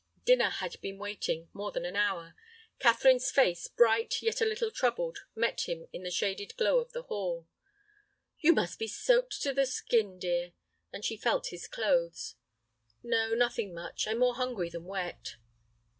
Dinner had been waiting more than an hour. Catherine's face, bright, yet a little troubled, met him in the shaded glow of the hall. "You must be soaked to the skin, dear," and she felt his clothes. "No, nothing much. I'm more hungry than wet."